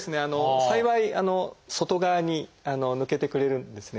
幸い外側に抜けてくれるんですね。